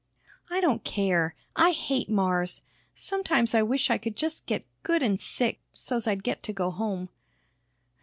"I don't care! I hate Mars! Sometimes I wish I could just get good an' sick, so's I'd get to go home!"